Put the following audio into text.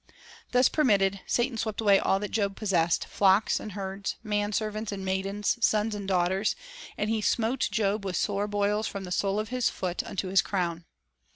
Thus permitted, Satan swept away all that Job pos sessed, — flocks and herds, men servants and maidens, sons and daughters; and he "smote Job with sore boils from the sole of his foot unto his crown.""